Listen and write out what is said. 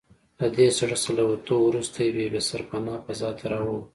له دې سړک څخه له وتو وروسته یوې بې سرپنا فضا ته راووتو.